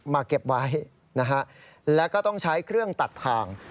มาเก็บไว้และก็ต้องใช้เครื่องตัดทาง